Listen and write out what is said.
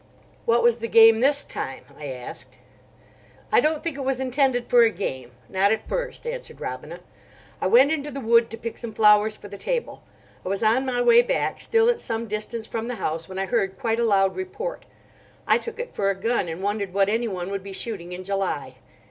"What was the game this time?" I asked. "I don't think it was intended for a game—not at first," answered Robina. "I went into the wood to pick some flowers for the table. I was on my way back, still at some distance from the house, when I heard quite a loud report. I took it for a gun, and wondered what anyone would be shooting in July.